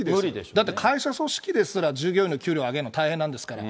だって、会社組織ですら従業員の給料上げるの、大変なんですから。